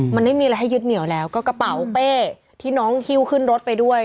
มันไม่มีอะไรให้ยึดเหนียวแล้วก็กระเป๋าเป้ที่น้องฮิ้วขึ้นรถไปด้วย